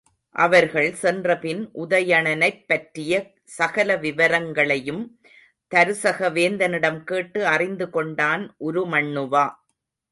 அவர்கள் சென்றபின் உதயணனைப் பற்றிய சகல விவரங்களையும் தருசக வேந்தனிடம் கேட்டு அறிந்துகொண்டான் உருமண்ணுவா.